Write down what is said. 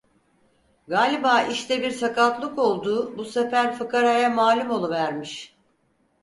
Galiba işte bir sakatlık olduğu bu sefer fıkaraya malum oluvermiş.